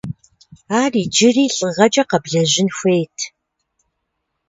Ар иджыри лӏыгъэкӏэ къэблэжьын хуейт.